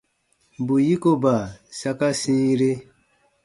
Bù yikoba saka sĩire.